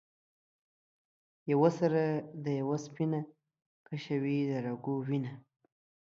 یوه سره ده یوه سپینه ـ کشوي د رګو وینه